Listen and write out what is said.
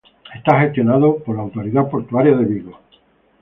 Está gestionado por la autoridad portuaria de Vigo.